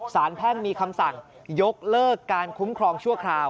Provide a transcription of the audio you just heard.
แพ่งมีคำสั่งยกเลิกการคุ้มครองชั่วคราว